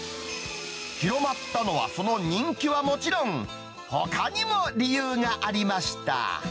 広まったのはその人気はもちろん、ほかにも理由がありました。